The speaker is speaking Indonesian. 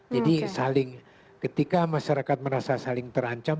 jadi saling ketika masyarakat merasa saling terancam